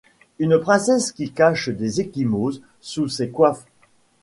Une princesse qui cache ses ecchymoses sous ses coiffes.